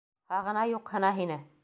Һағына, юҡһына һине.